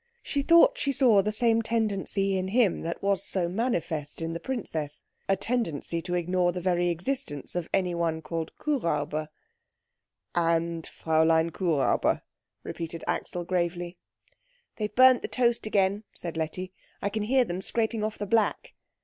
She thought she saw the same tendency in him that was so manifest in the princess, a tendency to ignore the very existence of any one called Kuhräuber. "And Fräulein Kuhräuber," repeated Axel gravely. "They've burnt the toast again," said Letty; "I can hear them scraping off the black."